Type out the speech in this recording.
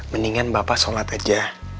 mendingan bapak sholat aja